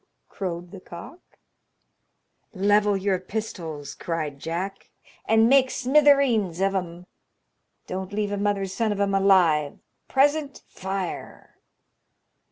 crowed the cock. "Level your pistols!" cried Jack, "and make smithereens of 'em. Don't leave a mother's son of 'em alive; present, fire!"